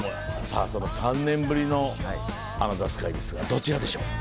さぁ３年ぶりのアナザースカイですがどちらでしょう？